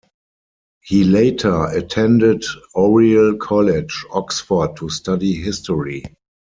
He later attended Oriel College, Oxford to study History.